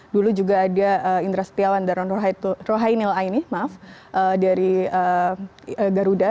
dulu juga ada indra setiawan dan rohainil aini maaf dari garuda